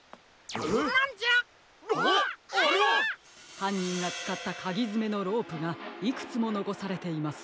はんにんがつかったかぎづめのロープがいくつものこされています。